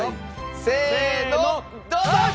せーのどうぞ！